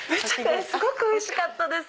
すごくおいしかったです！